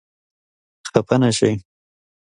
خپه نه شې؟